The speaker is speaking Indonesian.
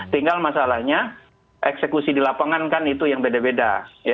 tinggal masalahnya eksekusi di lapangan kan itu yang beda beda